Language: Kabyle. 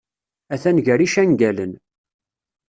Atan gar icangalen.